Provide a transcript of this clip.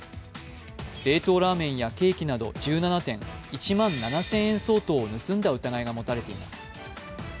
冷凍ラーメンやケーキなど１７点、１万７０００円相当を盗んだ疑いが持たれています。